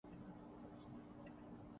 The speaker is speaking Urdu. میچ کا درجہ دے دیا گیا تھا